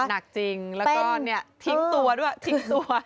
หนักจริงแล้วก็เนี่ยทิ้งตัวด้วยทิ้งตัว